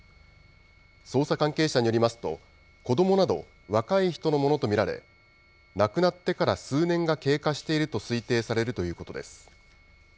捜査関係者によりますと、子どもなど若い人のものと見られ、亡くなってから数年が経過していると推定されるということです。